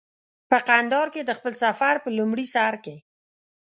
په کندهار کې د خپل سفر په لومړي سر کې.